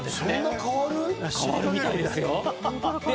変わるみたいですよ。